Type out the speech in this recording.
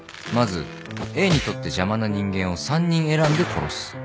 まずＡにとって邪魔な人間を３人選んで殺す。